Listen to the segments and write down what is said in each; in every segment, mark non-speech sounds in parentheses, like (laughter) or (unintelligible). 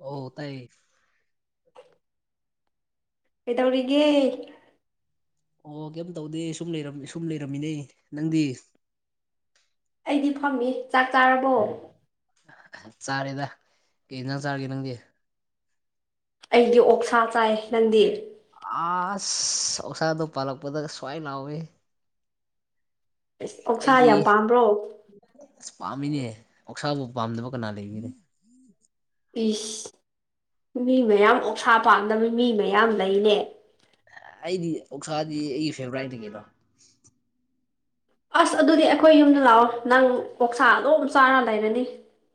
ꯑꯣ ꯇꯥꯏ ꯀꯩꯗꯧꯔꯤꯒꯦ ꯑꯣ ꯀꯩꯝ ꯇꯧꯗꯦ ꯁꯨꯝ ꯂꯩꯝ ꯁꯨꯝ ꯂꯩꯔꯝꯃꯤꯅꯦ ꯅꯪꯗꯤ ꯑꯩꯗꯤ ꯐꯪꯏ ꯆꯥꯛ ꯆꯥꯔꯕꯣ ꯆꯥꯔꯦꯗ ꯀ ꯅꯪ ꯆꯥꯔꯒꯦ ꯅꯪꯗꯤ ꯑꯩꯗꯤ ꯑꯣꯛ ꯁꯥꯥ ꯆꯥꯏ ꯅꯪꯗꯤ ꯑ ꯁꯧꯁꯥꯗ ꯄꯂꯛ ꯄꯊꯛ ꯁꯋꯥꯏꯅ ꯍꯧꯕ ꯑꫭꯛꯁ ꯀꯛꯁꯥ ꯌꯥꯝ ꯄꯥꯝꯕ꯭ꯔꯣ ꯑꯁ ꯄꯥꯝꯃꯤꯅꯦ ꯑꯣꯛꯁꯥꯕꯨ ꯄꯥꯝꯗꯕ ꯀꯅꯥ ꯂꯩꯕꯤꯅꯦ ꯄꯤꯁ ꯃꯤ ꯃꯌꯥꯝ ꯑꯣꯛꯁꯥ ꯄꯥꯝꯗꯕ ꯃꯤ ꯃꯌꯥꯝ ꯂꯩꯅꯦ ꯑꯩꯗꯤ ꯑꯣꯁꯥꯗꯤ ꯑꯩꯒꯤ ꯐꯦꯚꯣꯔꯥꯏꯠꯅꯤꯒꯤꯕ ꯑꯁ ꯑꯗꯨꯗꯤ ꯑꯩꯈꯣꯏ ꯌꯨꯝꯗ ꯂꯥꯛꯑꯣ ꯅꯪ ꯀꯣꯛꯁꯥ ꯑꯗꯨꯝ ꯆꯥꯔ ꯂꯩꯔꯅꯤ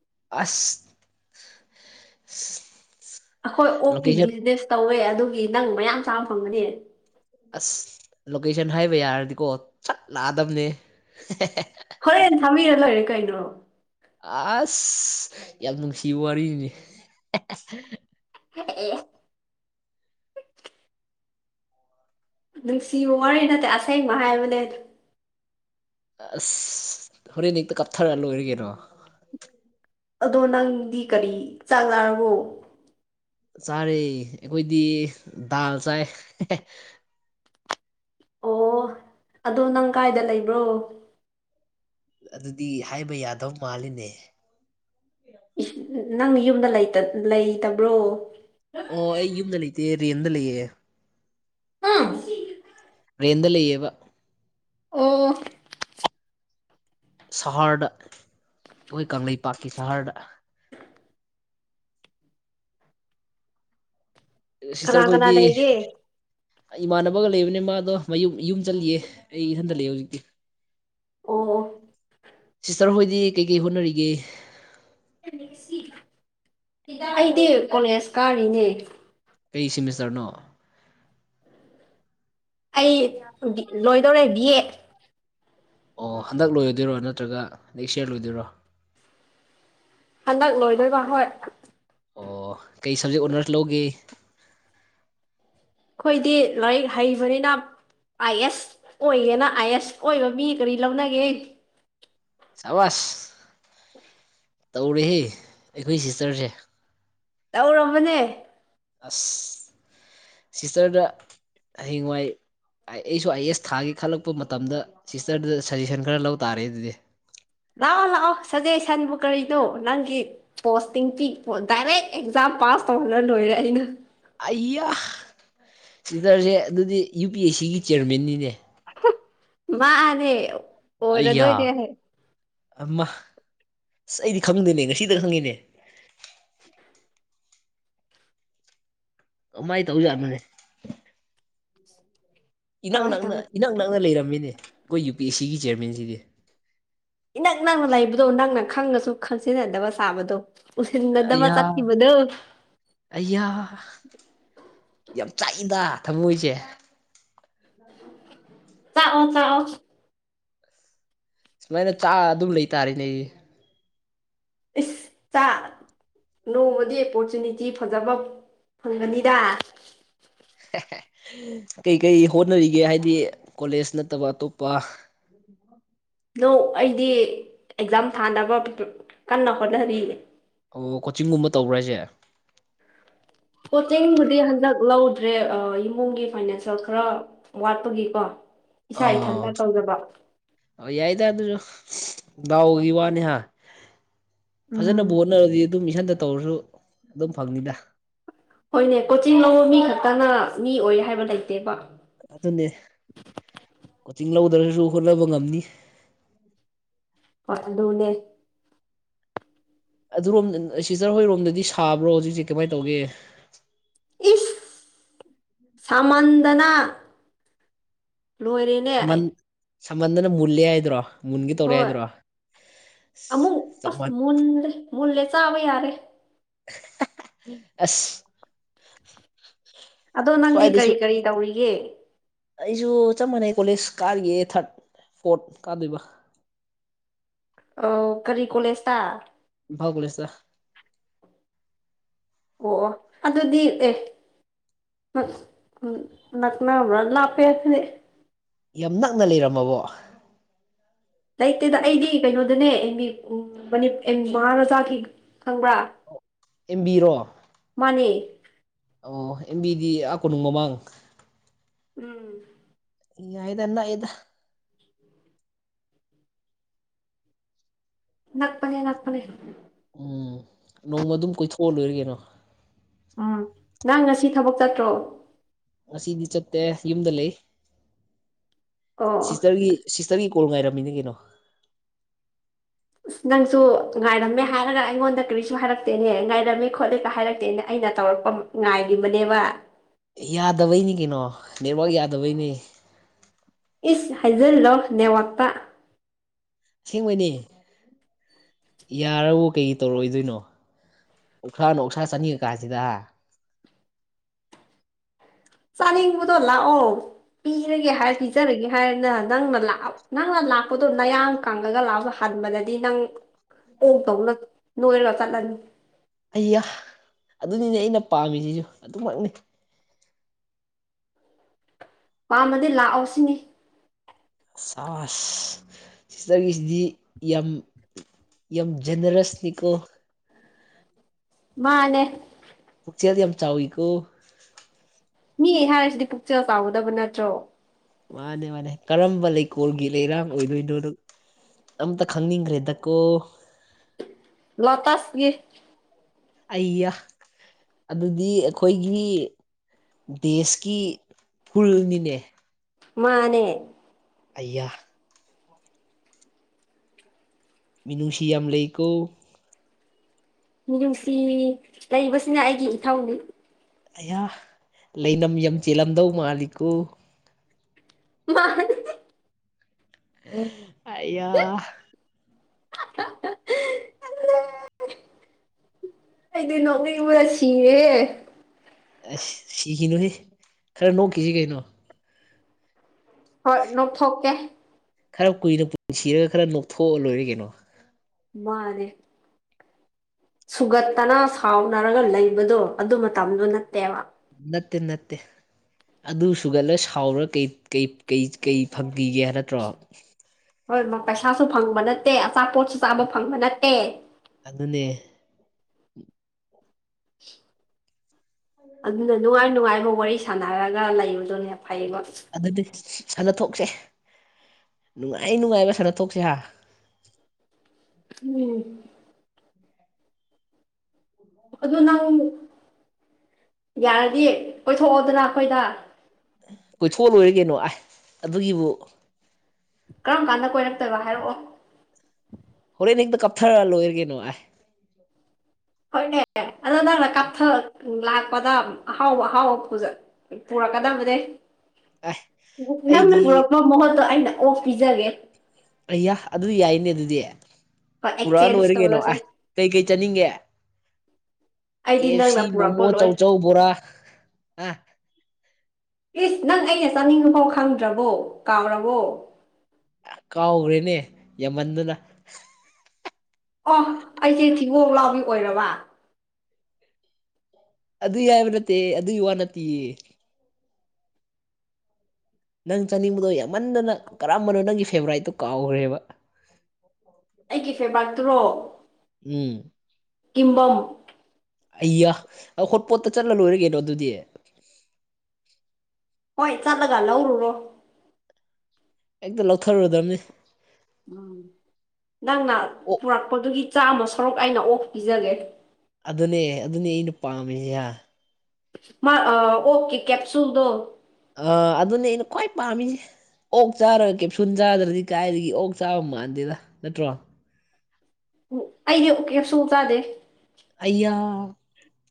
ꯑꯁ ꯑꯩꯈꯣꯏ ꯑꯣꯛꯀꯤ ꯂꯣꯀꯦꯁꯟ ꯕꯤꯖꯤꯅꯦꯁ ꯇꯧꯋꯦ ꯑꯗꯨꯒꯤ ꯅꯪ ꯃꯌꯥꯝ ꯆꯥꯕ ꯐꯪꯒꯅꯤ ꯑꯁ ꯂꯣꯀꯦꯁꯟ ꯍꯥꯏꯕ ꯌꯥꯔꯗꯤꯀꯣ ꯆꯠ ꯂꯥꯛꯑꯗꯝꯕꯅꯦ ꯍꯣꯔꯦꯟ ꯊꯥꯕꯤꯔ ꯂꯣꯏꯔꯦ ꯀꯩꯅꯣ ꯑꯁ ꯌꯥꯝ ꯅꯨꯡꯁꯤ ꯋꯥꯔꯤꯅꯤ (unintelligible) ꯅꯨꯡꯁꯤꯕ ꯋꯥꯔꯤ ꯅꯠꯇꯦ ꯑꯁꯦꯡꯕ ꯍꯥꯏꯕꯅꯦ ꯑꯁ ꯍꯣꯔꯦꯟ ꯅꯛꯇ ꯀꯥꯞꯊꯔ ꯂꯣꯏꯔꯒꯅꯣ ꯑꯗꯣ ꯅꯪꯗꯤ ꯀꯔꯤ ꯆꯥꯡ ꯅꯥꯔꯕꯣ ꯆꯥꯔꯦ ꯑꯩꯈꯣꯏꯗꯤ ꯗꯥꯜ ꯆꯥꯏ ꯑꯣ ꯑꯗꯣ ꯅꯪ ꯀꯥꯏꯗ ꯂꯩꯕ꯭ꯔꯣ ꯑꯗꯨꯗꯤ ꯍꯥꯏꯕ ꯌꯥꯗꯕ ꯃꯥꯜꯂꯤꯅꯦ ꯅꯪ ꯌꯨꯝꯗ ꯂꯩꯇꯕ꯭ꯔꯣ ꯑꯣ ꯑꯩ ꯌꯨꯝꯗ ꯂꯩꯇꯦ ꯔꯤꯌꯟꯗ ꯂꯩꯌꯦ ꯑꯥ ꯄꯦꯗ ꯂꯩꯕ ꯑꯣ ꯁꯍꯔꯗ ꯑꯩꯈꯣꯏ ꯀꯪꯂꯩꯄꯥꯛꯀꯤ ꯁꯍꯔꯗ ꯀꯅꯥ ꯀꯅꯥ ꯁꯤꯁꯇꯔꯈꯣꯏꯗꯤ ꯂꯩꯒꯦ ꯏꯃꯥꯟꯅꯕ ꯊꯒ ꯂꯩꯕꯅꯦ ꯃꯥꯗꯣ ꯃꯌꯨꯝ ꯌꯨꯝ ꯆꯠꯂꯤꯌꯦ ꯑꯩ ꯏꯊꯟꯗ ꯂꯩꯑꯦ ꯍꯧꯖꯤꯛꯇꯤ ꯑꯣ ꯁꯤꯁꯇꯔ ꯍꯣꯏꯗꯤ ꯀꯩꯀꯩ ꯍꯣꯠꯅꯔꯤꯒꯦ ꯗ ꯑꯩꯗꯤ ꯀꯣꯂꯦꯖ ꯀꯥꯔꯤꯅꯦ ꯀ ꯁꯤꯦꯃꯤꯁꯇꯔꯅꯣ ꯑꯩ ꯂꯣꯏꯗꯧꯔꯦ ꯕꯤ ꯑꯦ ꯑꯣ ꯍꯟꯗꯛ ꯂꯣꯏꯔꯣꯏꯗꯣꯏꯔꯣ ꯅꯠꯇ꯭ꯔꯒ ꯅꯦꯛꯁ ꯏꯌꯥꯔ ꯂꯣꯏꯗꯣꯏꯔꯣ ꯍꯟꯗꯛ ꯂꯣꯏꯗꯣꯏꯕ ꯍꯣꯏ ꯑꯣ ꯀꯩ ꯁꯕꯖꯦꯛ ꯑꯣꯅꯔꯁ ꯂꯧꯒꯦ ꯑꯩꯈꯣꯏꯗꯤ ꯂꯥꯏꯔꯤꯛ ꯍꯩꯕꯅꯤꯅ ꯑꯥ ꯑꯦꯁ ꯑꯣꯏꯌꯦꯦꯅ ꯑꯥ ꯑꯦꯁ ꯑꯣꯏꯕ ꯃꯤ ꯀꯔꯤ ꯂꯧꯅꯒꯦ ꯆꯥꯕꯥꯁ ꯇꯧꯔꯍ ꯑꯩꯈꯣꯏ ꯁꯤꯁꯇꯔꯁꯦ ꯇꯧꯔꯝꯕꯅꯦ ꯑꯁ ꯁꯤꯁꯇꯔꯗ ꯍꯍꯤꯡꯋꯥꯏ ꯑꯩꯁꯨ ꯑꯥꯏ ꯑꯦꯁ ꯊꯥꯒꯦ ꯈꯜꯂꯛꯄ ꯃꯇꯝꯗ ꯁꯤꯁꯇꯔꯗꯨꯗ ꯁꯖꯦꯁꯟ ꯈꯔ ꯂꯧꯕ ꯇꯥꯔꯦ ꯑꯗꯨꯗꯤ ꯂꯥꯛꯑꯣ ꯂꯥꯛꯑꯣ ꯁꯖꯦꯁꯟꯕꯨ ꯀꯔꯤꯅꯣ ꯅꯪꯒꯤ ꯄꯣꯁꯇꯤꯡ ꯄꯤ ꯗꯥꯏꯔꯦꯛ ꯑꯦꯛꯖꯥꯝ ꯄꯥꯁ ꯇꯧꯍꯜꯂ ꯂꯣꯏꯔꯦ ꯑꯩꯅ ꯑꯩꯌꯥ ꯁꯤꯁꯇꯔꯁꯦ ꯑꯗꯨꯗꯤ ꯌꯨ ꯄꯤ ꯑꯦꯁ ꯁꯤꯒꯤ ꯆꯤꯌꯔꯃꯦꯟꯅꯤꯅꯦ ꯃꯥꯅꯦ ꯑꯩꯌꯥ ꯑꯣꯏꯔꯗꯣꯏꯅꯦꯍꯦ ꯑꯃ ꯑꯁ ꯑꯩꯗꯤ ꯈꯪꯗꯣꯏꯅꯦ ꯉꯁꯤꯗ ꯈꯪꯉꯤꯅꯦ (unintelligible) ꯀꯃꯥꯏ ꯇꯧ ꯌꯥꯔ ꯃꯅꯦ ꯏꯅꯥꯛ ꯀꯃꯥꯏꯅ ꯅꯛꯅ ꯇꯧꯅꯤ ꯏꯅꯥꯛ ꯅꯛꯅ ꯂꯩꯔꯝꯃꯤꯅꯦ ꯑꯩꯈꯣꯏ ꯌꯨ ꯄꯤ ꯑꯦꯁ ꯁꯤꯒꯤ ꯆꯤꯌꯔꯃꯦꯟꯁꯤꯗꯤ ꯏꯅꯛ ꯅꯪꯅ ꯂꯩꯕꯗꯣ ꯅꯪꯅ ꯈꯪꯉꯁꯨ ꯈꯪꯖꯤꯟꯅꯗꯕ ꯁꯥꯕꯗꯣ ꯎ ꯎꯆ ꯅꯗꯃ ꯑꯩꯌꯥ ꯆꯥꯀꯤꯈꯤꯕꯗꯣ ꯑꯩꯌꯥ ꯌꯥꯝ ꯆꯥꯛꯏꯗ ꯊꯃꯣꯏꯁꯦ ꯆꯥꯛꯑꯣꯣ ꯆꯥꯛꯑꯣꯣ ꯁꯨꯃꯥꯏꯅ ꯆꯥꯛ ꯑꯗꯨꯝ ꯂꯩꯇꯥꯔꯦꯅꯦ ꯑꯩ ꯏ ꯆ ꯅꯣꯡꯃꯗꯤ ꯑꯣꯄꯣꯔꯆꯨꯅꯤꯇꯤ ꯐꯖꯕ ꯐꯪꯒꯅꯤꯗ ꯀꯩꯀꯩ ꯍꯣꯠꯅꯔꯤꯒꯦ ꯍꯥꯏꯗꯤ ꯀꯣꯂꯦꯖ ꯅꯠꯇꯕ ꯑꯇꯣꯞꯄ (unintelligible) ꯅ ꯑꯩꯗꯤ ꯑꯦꯛꯖꯥꯝ ꯊꯥꯅꯕ ꯀꯟꯅ ꯍꯣꯠꯅꯔꯤꯌꯦ ꯑꯣ ꯀꯣꯆꯤꯡꯒꯨꯝꯕ ꯇꯧꯕ꯭ꯔꯥ ꯍꯥꯏꯁꯦ ꯀꯣꯆꯤꯡꯕꯨꯗꯤ ꯍꯟꯗꯛ ꯂꯧꯗ꯭ꯔꯦ ꯏꯃꯨꯡꯒꯤ ꯐꯥꯏꯅꯥꯟꯁꯤꯌꯦꯦꯜ ꯈꯔ ꯋꯥꯠꯄꯒꯤꯀꯣ ꯏꯁꯥ ꯑꯥ ꯏꯊꯟꯇ ꯇꯧꯖꯕ ꯑꯣ ꯌꯥꯏꯗ ꯑꯗꯨꯁꯨ ꯗꯥꯎꯒꯤ ꯋꯥꯅꯤꯍ ꯐꯖꯅ ꯎꯝ ꯕꯣꯅꯔꯗꯤ ꯑꯗꯨꯝ ꯏꯁꯟꯗ ꯇꯧꯔꯁꯨ ꯑꯗꯨꯝ ꯐꯪꯅꯤꯗ ꯍꯣꯏꯅꯦ ꯀꯣꯆꯤꯡ ꯂꯧꯕ ꯃꯤ ꯈꯛꯇꯅ ꯃꯤ ꯑꯣꯏ ꯍꯥꯏꯕ ꯂꯩꯇꯦꯕ ꯑꯗꯨ ꯑꯗꯨꯟꯅꯦ ꯀꯣꯆꯤꯡ ꯂꯧꯗ꯭ꯔꯁꯨ ꯍꯣꯠꯅꯕ ꯉꯝꯅꯤ ꯄ ꯑꯗꯨꯨꯅꯦ ꯑꯗꯨꯔꯣꯝꯗ ꯁꯤꯖꯔ ꯍꯣꯏꯔꯣꯝꯗꯗꯤ ꯁꯥꯕ꯭ꯔꯣ ꯍꯧꯖꯤꯛꯁꯦ ꯀꯃꯥꯏꯅ ꯇꯧꯒꯦ ꯏꯁ ꯁꯃꯟꯗꯅ ꯂꯣꯏꯔꯦꯅꯦ ꯁꯃꯟ ꯑꯩ ꯁꯃꯟꯗꯅ ꯃꯨꯂꯌꯥ ꯍꯥꯏ꯭ꯔꯣ ꯍꯣꯏ ꯑꯃꯨꯛ ꯆꯞ ꯑꯁ ꯃꯥꯟ ꯃ ꯃ ꯂꯦ ꯆꯥꯕ ꯌꯥꯔꯦ ꯑꯁ ꯑꯗꯣ ꯅꯪꯗꯤ ꯁ꯭ꯋꯥꯏꯗꯁꯨ ꯀꯔꯤ ꯀꯔꯤ ꯇꯧꯔꯤꯒꯦ ꯑꯩꯁꯨ ꯆꯞ ꯃꯥꯟꯅꯩ ꯀꯣꯂꯦꯖ ꯀꯥꯔꯤꯒꯦ ꯊꯥꯔꯠ ꯐꯣꯔꯠ ꯀꯥꯗꯣꯏꯕ ꯑ ꯀꯔꯤ ꯀꯣꯂꯦꯖꯇ ꯐꯥꯎ ꯂꯩ ꯁꯥ ꯑꯣ ꯑꯗꯨꯗꯤ ꯑꯦ ꯎꯝ ꯎꯝ ꯂꯅꯥ ꯔ ꯂꯄꯦꯗꯤ ꯌꯥꯝ ꯅꯛꯅ ꯂꯩꯔꯝꯃꯕꯣ ꯂꯩꯇꯦꯗ ꯑꯩꯗꯤ ꯀꯩꯅꯣꯗꯅꯦ ꯑꯦꯝ ꯃꯤ ꯑ ꯃꯍꯥꯔꯣꯖꯥꯒꯤ ꯈꯪꯕ꯭ꯔꯥ ꯏꯦꯝꯕꯤꯔꯣ ꯃꯥꯅꯦ ꯑꯣ ꯑꯦꯝꯕꯤꯗꯤ ꯑꯥ ꯀꯣꯅꯨꯡ ꯃꯃꯥꯡ ꯎꯝ ꯏꯗꯅ ꯏꯗ ꯅꯅꯥꯛꯄꯅꯦ ꯅꯛꯄꯅꯦ ꯎꯝ ꯅꯣꯡꯃ ꯑꯗꯨꯝ ꯀꯣꯏꯊꯣꯛꯑ ꯂꯣꯏꯔ ꯀꯦꯅꯣ ꯎꯝ ꯅꯪ ꯉꯁꯤ ꯊꯕꯛ ꯆꯠꯇ꯭ꯔꯣ ꯑꯁꯤꯗꯤ ꯆꯠꯇꯦ ꯌꯨꯝꯗ ꯂꯩ ꯑꯣ ꯁꯤꯁꯇꯔꯒꯤ ꯁꯤꯁꯇꯔꯒꯤ ꯀꯣꯜ ꯉꯥꯏꯔꯝꯃꯤꯅꯤ ꯀꯩꯅꯣ ꯑ ꯅꯪꯁꯨ ꯉꯥꯏꯔꯝꯃꯦ ꯍꯥꯏꯔꯒ ꯑꯩꯉꯣꯟꯗ ꯀꯔꯤꯁꯨ ꯍꯥꯏꯔꯛꯇꯦꯅꯦ ꯉꯥꯏꯔꯝꯃꯤ ꯈꯣꯠꯂꯤꯀ ꯍꯥꯏꯔꯛꯇꯦꯅꯦ ꯑꯩꯅ ꯇꯧꯔꯛꯄ ꯉꯥꯏꯔꯤꯕꯅꯦꯕ ꯌꯥꯗꯕꯩꯅꯤ ꯀꯩꯅꯣ ꯅꯦꯠꯋꯥꯛ ꯌꯥꯗꯕꯩꯅꯤ ꯏꯁ ꯍꯥꯏꯖꯜꯂꯣ ꯅꯦꯋꯥꯛꯇ ꯑꯁꯦꯡꯕꯅꯤ ꯌꯥꯔꯕꯨ ꯀꯩ ꯇꯧꯔꯛꯑꯣꯏꯗꯣꯏꯅꯣ ꯎꯁ꯭ꯔꯥꯅꯣ ꯎꯁ꯭ꯔꯥ ꯆꯅꯤꯀꯥꯁꯤꯗ ꯆꯅꯤꯡꯕꯨꯗꯂ ꯑꯣ ꯄꯤꯖꯒꯦ ꯍꯥꯏꯔ ꯄꯤꯖꯔꯒꯦ ꯍꯥꯏꯔꯅ ꯅꯪꯅ ꯅꯪꯅ ꯂꯥꯛꯄꯗꯣ ꯅꯌꯥꯡ ꯀꯪꯉꯒ ꯂꯥꯛꯑ ꯍꯥꯟꯕꯗꯗꯤ ꯅꯪ ꯑꯣ ꯇꯧꯅ ꯅꯣꯏꯔꯒ ꯆꯠꯂꯅꯤ ꯑꯩꯌꯥ ꯑꯗꯨꯅꯤꯅꯦ ꯑꯩꯅ ꯄꯥꯝꯃꯤꯁꯤꯁꯨ ꯑꯗꯨꯃꯛꯅꯤ ꯄꯥꯝꯃꯗꯤ ꯂꯥꯛꯑꯣ ꯁꯤꯅꯤ ꯁꯥꯁ ꯁꯤꯁꯇꯔꯒꯤꯁꯤꯗꯤ ꯌꯥꯝ ꯌꯥꯝ ꯖꯦꯅꯔꯁꯅꯤꯀꯣ ꯃꯥꯅꯦ ꯄꯨꯆꯗꯤ ꯌꯥꯝ ꯆꯏ ꯀꯣ ꯃꯤ ꯑꯩ ꯍꯥꯏꯔꯤꯁꯤꯗꯤ ꯄꯨꯛꯆꯦꯜ ꯆꯥꯎꯥꯎꯒꯗꯕ ꯅꯠꯇ꯭ꯔꯣ ꯃꯥꯅꯦ ꯃꯥꯅꯦ ꯀꯔꯝꯕ ꯂꯩꯀꯣꯜꯒꯤ ꯂꯩꯔꯥꯡ ꯑꯣꯏꯗꯣꯏꯅꯣꯗ ꯑꯝꯇ ꯈꯪꯅꯤꯡꯈ꯭ꯔꯦꯗꯀꯣ ꯂꯇꯥꯥꯁꯒꯤ ꯑꯩꯌꯥ ꯑꯗꯨꯗꯤ ꯑꯩꯈꯣꯏꯒꯤ ꯗꯦꯁꯀꯤ ꯐꯨꯜꯅꯤꯅꯦ ꯃꯥꯅꯦ ꯑꯌꯥ ꯃꯤꯅꯨꯁꯤ ꯌꯥꯝ ꯂꯩꯀꯣ ꯃꯤꯅꯨꯡꯁꯤ ꯂꯩꯕꯁꯤꯅ ꯑꯩꯒꯤ ꯏꯊꯧꯅꯤ ꯑꯌꯥ ꯂꯩꯅꯝ ꯌ ꯆꯦꯜꯂꯝꯗꯧ ꯃꯥꯜꯂꯤꯀꯣ ꯃꯥ ꯑꯌꯥ ꯍꯂ ꯑꯩꯗ ꯅꯣꯛꯅꯩ ꯎꯔ ꯁꯤꯔꯦ ꯑꯁ ꯁꯤꯈꯤꯅꯨꯍꯦ ꯈꯔ ꯅꯣꯛꯈꯤꯁꯤ ꯀꯩꯅꯣ ꯍꯣꯏ ꯅꯣꯛ ꯊꯣꯛꯣꯛꯀꯦ ꯈꯔ ꯀꯨꯏꯅ ꯄꯨꯟꯁꯤꯔꯒ ꯈꯔ ꯅꯣꯛꯊꯣꯛꯑ ꯂꯣꯏꯔꯦ ꯀꯩꯅꯣ ꯃꯥꯅꯦꯦ ꯁꯨꯒꯠꯇꯅ ꯁꯥꯎꯅꯔꯒ ꯂꯩꯕꯗꯣ ꯑꯗꯨ ꯃꯇꯝꯗꯣ ꯅꯠꯇꯦꯕ ꯅꯠꯇꯦ ꯅꯠꯇꯦ ꯑꯗꯨ ꯁꯨꯒꯂ ꯁꯥꯎꯔ ꯀꯩ ꯐꯪꯈꯤꯒꯦ ꯍꯥꯏ ꯅꯠꯇ꯭ꯔꯣ ꯍꯣꯏ ꯄꯩꯁꯥꯁꯨ ꯐꯪꯕ ꯅꯠꯇꯦ ꯑꯆꯥꯄꯣꯠꯁꯨ ꯆꯥꯕ ꯐꯪꯕ ꯅꯠꯇꯦ ꯑꯉꯅꯦ (unintelligible) ꯑꯗꯨꯅ ꯅꯨꯡꯉꯥꯏ ꯅꯨꯡꯉꯥꯏꯕꯥꯎ ꯋꯥꯔꯤ ꯁꯥꯟꯅꯔꯒ ꯂꯩꯕꯗꯨꯅꯦ ꯐꯩꯕ ꯑꯗꯨꯗꯤ ꯁꯥꯟꯅ ꯊꯣꯛꯁꯦ ꯅꯨꯡꯉꯥꯏ ꯅꯨꯡꯉꯥꯏꯕ ꯁꯥꯟꯅ ꯊꯣꯛꯣꯛꯁꯤ ꯍꯥ ꯎꯝ ꯑꯗꯨ ꯅꯪ ꯌꯥꯔꯗꯤ ꯀꯣꯏꯊꯣꯛꯑꯣꯗꯅ ꯑꯩꯈꯣꯏꯗ ꯀꯣꯏꯊꯣꯛ ꯂꯣꯏꯔ ꯀꯅꯣ ꯑ ꯑꯗꯨꯒꯤꯕꯨ ꯀꯔꯝ ꯀꯥꯟꯗ ꯀꯣꯏꯔꯛꯇꯣꯏꯕ ꯍꯥꯏꯔꯛꯑꯣ ꯍꯣꯔꯦꯟꯅꯦꯗ ꯀꯞꯊꯔ ꯂꯣꯏꯔꯒꯦꯅꯣ ꯍꯥꯏ ꯍꯣꯏꯅꯦ ꯑꯗ ꯅꯪꯥꯟꯅ ꯀꯥꯞꯊ ꯂꯥꯛꯄꯗ ꯑꯍꯥꯎꯕ ꯑꯍꯥꯎꯕ ꯄꯨꯔꯛꯀꯗꯕꯅꯦ ꯑꯥꯏ ꯅꯪꯅ ꯑꯩꯗꯤ ꯄꯨꯣꯔꯛꯄ ꯃꯍꯨꯠꯇꯣ ꯑꯩꯅ ꯑꯣ ꯄꯤꯖꯒꯦ ꯑꯩꯌꯥ ꯑꯗꯨ ꯌꯥꯏꯅꯦ ꯑꯗꯨꯗꯤ ꯍꯣꯏ ꯄꯨꯔꯥ ꯂ ꯑꯦꯛꯆꯦꯟꯖ ꯑꯣꯏꯔ ꯀꯩꯅꯣ ꯑꯁ ꯀꯩ ꯀꯩ ꯆꯠꯅꯤꯡꯒꯦ ꯎ ꯀꯦꯞꯁꯤ ꯃꯣꯃꯣ ꯆꯧꯆꯧ ꯕꯣꯔꯥ ꯍꯥ ꯄ꯭ꯂꯤꯁ ꯅꯪ ꯑꯩꯅ ꯆꯥꯅꯤꯡꯉꯐꯥꯎ ꯈꯪꯗ꯭ꯔꯕꯣ ꯀꯥꯎꯔꯕꯣ ꯀꯥꯎꯈ꯭ꯔꯦꯅꯦ ꯌꯥꯝꯃꯟꯗꯨꯅ ꯑꯣ ꯑꯩꯁꯦ ꯊꯤꯒꯣꯛ ꯂꯥꯎꯕꯤ ꯑꯣꯏꯔꯕ ꯑꯗꯨ ꯌꯥꯏꯕ ꯅꯠꯇꯦ ꯑꯗꯨꯒꯤ ꯋꯥ ꯅꯠꯇꯦꯌꯦ ꯅꯪ ꯆꯥꯅꯤꯡꯕꯗꯣ ꯌꯥꯝꯃꯟꯗꯅ ꯀꯔꯝꯕꯅꯣ ꯅꯪꯒꯤ ꯐꯦꯚꯣꯔꯥꯏꯠꯇꯣ ꯀꯥꯎꯈ꯭ꯔꯦꯕ ꯑꯩꯒꯤ ꯐꯦꯕꯔꯥꯛꯇꯨꯔꯣ ꯎꯝ ꯀꯝꯕꯝ ꯑꯩꯌꯥ ꯑꯩ ꯍꯣꯠꯄꯣꯠꯇ ꯆꯠꯂ ꯂꯣꯏꯔꯒꯦꯅꯣ ꯑꯗꯨꯗꯤ ꯍꯣꯏ ꯆꯠꯂꯒ ꯂꯧꯔꯨꯔꯣ ꯍꯦꯛꯇ ꯂꯧꯊꯔꯨꯗꯕꯅꯤ ꯎꯝ ꯅꯪꯅ ꯑꯣꯛ ꯄꯨꯔꯛꯄꯗꯨꯒꯤ ꯆꯥꯃ ꯁꯔꯨꯛ ꯑꯩꯅ ꯑꯣꯐ ꯄꯤꯖꯒꯦ ꯑꯗꯨꯅꯦ ꯑꯗꯨꯅꯦ ꯑꯩꯅ ꯄꯥꯝꯃꯤꯍ ꯃꯥ ꯑꯣꯀꯦ ꯀꯦꯞꯁꯨꯜꯗꯣ ꯑꯥ ꯑꯗꯨꯅꯦ ꯑꯩꯅ ꯈ꯭ꯋꯥꯏ ꯄꯥꯝꯃꯤꯁꯦ ꯑꯣꯛ ꯆꯥꯔꯒ ꯀꯦꯞꯁꯨꯟ ꯆꯥꯗ꯭ꯔꯗꯤ ꯀꯥꯏꯗꯒꯤ ꯑꯣꯛ ꯆꯥꯕ ꯃꯥꯟꯗꯦꯗ ꯅꯠꯇ꯭ꯔꯣ ꯎ ꯑꯩꯗꯤ ꯎꯀꯤ ꯁꯨꯡ ꯆꯥꯗꯦ ꯑꯩꯌꯥ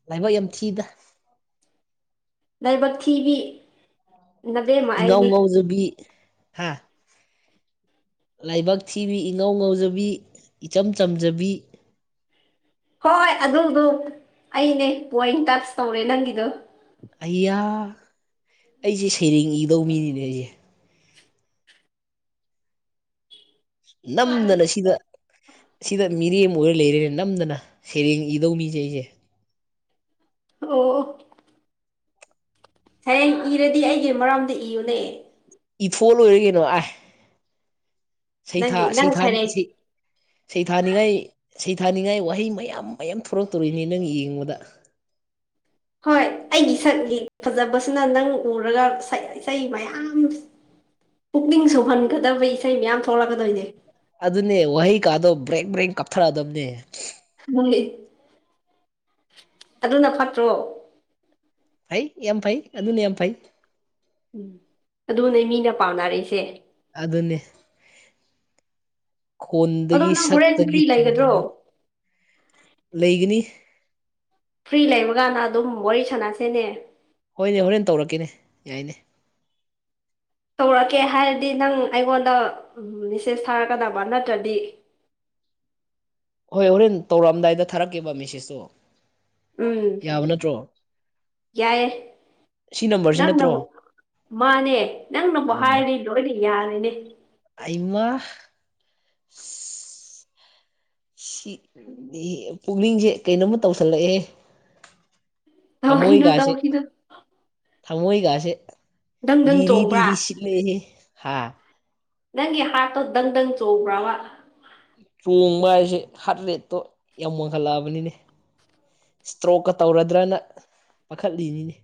ꯂꯥꯏꯕꯥꯛ ꯌꯥꯝ ꯊꯤꯗ ꯂꯥꯏꯕꯛ ꯊꯤꯕꯤ ꯅꯕꯦꯝꯃ ꯏꯪꯉꯥꯎ ꯑꯩꯅꯤ ꯉꯧꯖꯕꯤ ꯍꯥ ꯂꯥꯏꯕꯛ ꯊꯤꯕꯤ ꯏꯉꯧ ꯉꯧꯖꯕꯤ ꯏꯆꯝ ꯆꯝꯖꯕꯤ ꯍꯣꯏꯣꯏ ꯑꯗꯨꯗꯨꯣ ꯑꯩꯅꯦ ꯄꯣꯏꯟ ꯇꯆ ꯇꯧꯔꯦ ꯅꯪꯒꯤꯗꯣ ꯑꯩꯌꯥ ꯑꯩꯁꯦ ꯁꯩꯔꯦꯡ ꯏꯗꯧ ꯃꯤꯅꯤꯅꯦ ꯑꯩꯁꯦ ꯅꯝꯗꯅ ꯁꯤꯗ ꯁꯤꯗ ꯃꯤꯔꯦꯝ ꯑꯃ ꯑꯣꯏꯔ ꯂꯩꯔꯦꯅꯦ ꯅꯝꯗꯅ ꯁꯩꯔꯦꯡ ꯏꯗꯧ ꯃꯤꯁꯦ ꯑꯩꯁꯦ ꯑꯣ ꯁꯔꯦꯡ ꯏꯔꯗꯤ ꯑꯩꯒꯤ ꯃꯔꯥꯝꯗ ꯏꯌꯨꯅꯦꯦ ꯏ ꯐꯣꯜ ꯑꯣꯏꯔꯒꯅꯣ ꯑ ꯅꯪꯒꯤ ꯁꯩꯊꯥꯥ ꯅꯪ ꯁꯩꯔꯦꯡ ꯁꯩꯊꯥꯅꯤꯡꯉꯩ ꯁꯩꯊꯥꯅꯤꯡꯉꯥꯏ ꯋꯥꯍꯩ ꯃꯌꯥꯝ ꯃꯌꯥꯝ ꯊꯣꯛꯣꯔꯛꯇꯣꯔꯤꯅꯤ ꯅꯪ ꯌꯦꯡꯕꯗ ꯍꯣꯏ ꯑꯩꯒꯤ ꯁꯛꯒꯤ ꯐꯖꯕꯁꯤꯅ ꯅꯪ ꯎꯔꯒ ꯁꯛ ꯂꯩꯆ ꯃꯌꯥꯝ ꯄꯨꯛꯅꯤꯡ ꯁꯨꯍꯟꯒꯗꯕ ꯏꯁꯩ ꯃꯌꯥꯝ ꯊꯣꯛꯂꯛꯀꯗꯣꯏꯅꯦ ꯑꯗꯨꯅꯦ ꯋꯥꯍꯩ ꯀꯥꯗꯣ ꯕ꯭ꯔꯦꯛ ꯕ꯭ꯔꯦꯡ ꯀꯥꯞꯊꯔꯛꯗꯕꯅꯦ ꯑꯗꯨꯅ ꯐꯠꯇ꯭ꯔꯣ ꯐꯩ ꯌꯥꯝ ꯐꯩ ꯑꯗꯨꯅ ꯌꯥꯝ ꯐꯩ ꯎꯝ ꯑꯗꯨ ꯅ ꯃꯤꯅ ꯄꯥꯝꯅꯔꯛꯏꯁꯦ ꯑꯗꯨ ꯑꯗꯨꯅꯦ ꯑꯗꯣ ꯈꯣꯟꯗꯒꯤ ꯅꯪ ꯍꯣꯔꯦꯟ ꯁꯛꯇꯒꯤ ꯐ꯭ꯔꯤ ꯂꯩꯒꯗ꯭ꯔꯣ ꯆꯨꯗꯒꯤ ꯂꯩꯒꯅꯤ ꯐ꯭ꯔꯤ ꯂꯩꯕꯀꯥꯟꯗ ꯑꯗꯨꯝ ꯋꯥꯔꯤ ꯁꯥꯟꯅꯁꯦꯅꯦ ꯍꯣꯏꯅꯦ ꯍꯣꯔꯦꯟ ꯇꯧꯔꯛꯀꯦꯅꯦ ꯌꯥꯏꯅꯦ ꯇꯧꯔꯛꯀꯦ ꯍꯥꯏꯔꯗꯤ ꯅꯪ ꯑꯩꯉꯣꯟꯗ ꯃꯦꯁꯦꯁ ꯊꯥꯔꯛꯀꯗꯕ ꯅꯠꯇ꯭ꯔꯗꯤ (unintelligible) ꯍꯣꯏ ꯍꯣꯔꯦꯟ ꯇꯧꯔꯛꯑꯝꯗꯥꯏꯗ ꯊꯥꯔꯛꯀꯦꯕ ꯃꯦꯁꯦꯁꯇꯣ ꯌꯥꯕ ꯅꯠꯇ꯭ꯔꯣ ꯌꯥꯏ ꯁꯤ ꯅꯝꯕꯔꯁꯤ ꯅꯠꯇ꯭ꯔꯣ ꯅꯪꯅꯕꯨꯛ ꯃꯥꯅꯦ ꯅꯪꯅꯕꯨꯨꯛ ꯑꯣ ꯍꯥꯏꯔꯅꯤ ꯂꯣꯏꯅ ꯌꯥꯔꯅꯦ ꯑꯩꯃ ꯄꯨꯛꯅꯤꯡꯁꯦ ꯀꯩꯅꯣꯝꯃ ꯇꯧꯁꯜꯂꯛꯑꯦ ꯇꯧꯈꯤꯅꯨ ꯊꯃꯣꯏꯒꯥꯁꯦ ꯇꯧꯈꯤꯅꯨ ꯊꯃꯣꯏꯒꯥꯁꯦ ꯗꯪ ꯔꯤ ꯗꯪ ꯆꯣꯡꯕ꯭ꯔꯥ ꯂꯤꯔꯤꯁꯤ ꯂꯩ ꯍꯥꯥ ꯅꯪꯒꯤ ꯍꯥꯔꯠꯇꯣ ꯗꯪ ꯗꯪ ꯆꯕ꯭ꯔꯥꯕ ꯆꯣꯡꯕ ꯍꯥꯏꯁꯦ ꯍꯥꯠ ꯔꯦꯠꯇꯣ ꯌꯥꯝ ꯋꯥꯡꯈꯠꯂꯛꯑꯕꯅꯤꯅꯦ ꯏꯁꯇ꯭ꯔꯣꯛꯀ ꯇꯧꯔꯗ꯭ꯔꯅ ꯄꯥꯈꯠꯂꯤꯅꯤꯅꯦ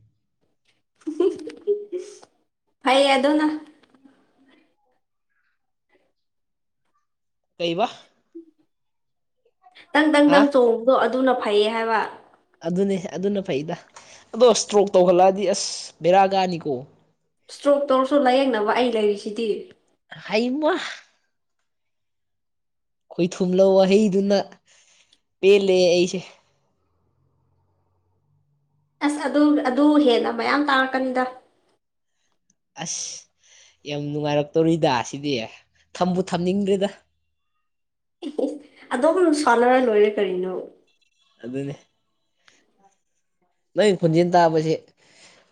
ꯐꯩ ꯑꯗꯨꯅ ꯀꯩꯕ ꯇꯪ ꯇꯪ ꯍꯥ ꯇꯪ ꯆꯣꯡꯕꯗꯣ ꯑꯗꯨꯅ ꯐꯩꯌꯦ ꯍꯥꯏꯕ ꯑꯗꯨꯅꯦ ꯑꯗꯨꯅ ꯐꯩꯗ ꯑꯗꯣ ꯏꯁꯇ꯭ꯔꯣꯛ ꯇꯧꯈꯠꯂꯛꯑꯗꯤ ꯑꯁ ꯕꯦꯔꯥꯒꯥꯅꯤꯀꯣ ꯏꯁꯇ꯭ꯔꯣꯛ ꯇꯧꯔꯁꯨ ꯂꯥꯏꯌꯦꯡꯅꯕ ꯑꯩ ꯂꯩꯔꯤꯁꯤꯗꯤ ꯍꯩꯃ ꯑꯩꯈꯣꯏ ꯊꯨꯝꯂꯧ ꯋꯥꯍꯩꯗꯨꯅ ꯄꯦꯜꯂꯦ ꯑꯩꯁꯦ ꯑꯁ ꯑꯗꯨ ꯑꯗꯨ ꯍꯦꯟꯅ ꯃꯌꯥꯝ ꯇꯥꯡꯔꯛꯀꯅꯤꯗ ꯑꯁ ꯌꯥꯝ ꯅꯨꯡꯉꯥꯏꯔꯛꯇꯧꯔꯤꯗ ꯁꯤꯗꯤ ꯊꯝꯕꯨ ꯊꯝꯅꯤꯡꯗ꯭ꯔꯦꯗ ꯑꯗꯣꯝ ꯁꯥꯟꯅꯔ ꯂꯣꯏꯔꯦ ꯀꯔꯤꯅꯣ ꯑꯗꯨ ꯑꯗꯨꯅꯦ ꯅꯪ ꯈꯨꯟꯖꯤꯦꯟ ꯇꯥꯕꯁꯦ